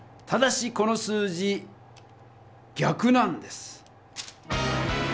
ただしこの数字ぎゃくなんです。